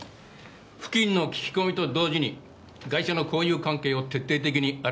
付近の聞き込みと同時にガイシャの交友関係を徹底的に洗い出してくれ。